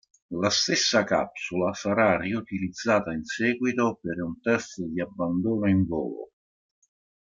La stessa capsula sarà riutilizzata in seguito per un test di abbandono in volo.